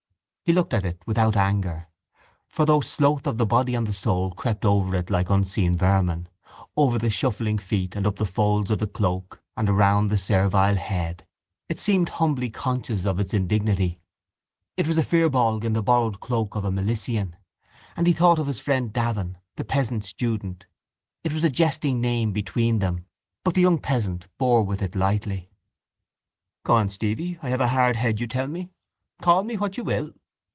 He looked at it without anger; for, though sloth of the body and of the soul crept over it like unseen vermin, over the shuffling feet and up the folds of the cloak and around the servile head, it seemed humbly conscious of its indignity. It was a Firbolg in the borrowed cloak of a Milesian; and he thought of his friend Davin, the peasant student. It was a jesting name between them, but the young peasant bore with it lightly: —Go on, Stevie, I have a hard head, you tell me. Call me what you will.